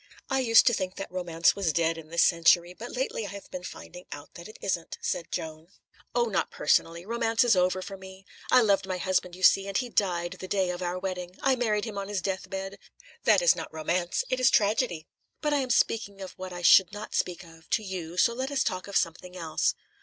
"I used to think that romance was dead in this century, but lately I have been finding out that it isn't," said Joan. "Oh, not personally. Romance is over for me. I loved my husband, you see, and he died the day of our wedding; I married him on his death bed. That is not romance; it is tragedy. But I am speaking of what I should not speak of, to you, so let us talk of something else."